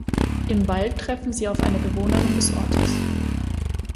Im Wald treffen sie auf eine Bewohnerin des Ortes.